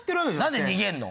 なんで逃げるの？